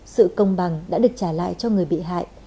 sự công bằng đã được trả lại cho người bị hại